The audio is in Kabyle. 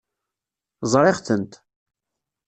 Ẓriɣ-tent.